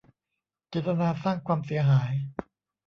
เจตนาสร้างความเสียหาย